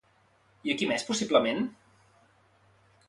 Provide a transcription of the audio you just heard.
I a qui més, possiblement?